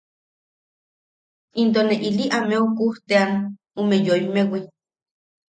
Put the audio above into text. Into ne ili ameu kujte’ean ume yoimmewi.